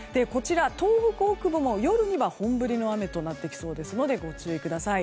東北北部も夜には本降りの雨となってきそうですのでご注意ください。